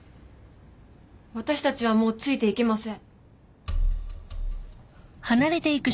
私たちはもうついていけません。